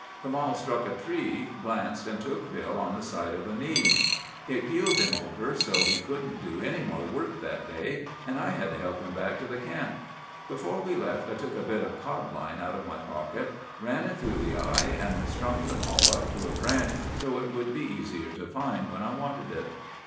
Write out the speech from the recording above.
The mall struck a tree, glanced, and took Bill on the side of the knee. It keeled him over so he couldn't do any more work that day, and I had to help him back to the camp. Before we left, I took a bit of codline out of my pocket, ran it through the eye, and strung the mall up to a branch so it would be easier to find when I wanted it.